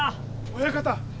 親方。